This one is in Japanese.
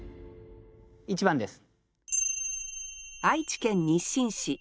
１番です。